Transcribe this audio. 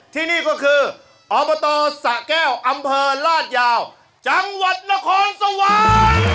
ที่นี่ก็คืออบตสะแก้วอำเภอลาดยาวจังหวัดนครสวรรค์